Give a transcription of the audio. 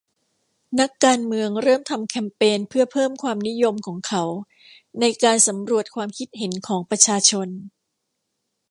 นักการเมืองเริ่มทำแคมเปญเพื่อเพิ่มความนิยมของเขาในการสำรวจความคิดเห็นของประชาชน